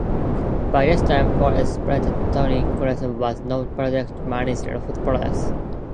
By this time Police Superintendent Tony Crewdson was now Project Manager for the project.